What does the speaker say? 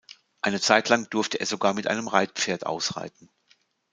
Eine Zeitlang durfte er sogar mit einem Reitpferd ausreiten.